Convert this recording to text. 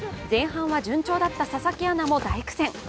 前半は順調だった佐々木アナも大苦戦。